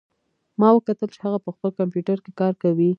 ما وکتل چې هغه په خپل کمپیوټر کې کار کوي